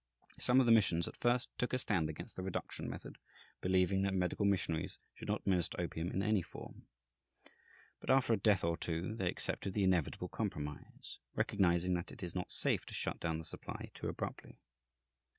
Some of the missions at first took a stand against the reduction method, believing that medical missionaries should not administer opium in any form; but after a death or two they accepted the inevitable compromise, recognizing that it is not safe to shut down the supply too abruptly.